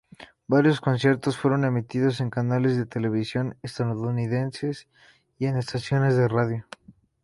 Varios conciertos fueron emitidos en canales de televisión estadounidenses y en estaciones de radio.